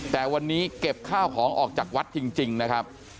แต่วันนี้เก็บข้าวของออกจากวัดจริงนะครับ